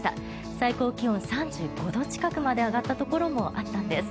最高気温、３５度近くまで上がったところもあったんです。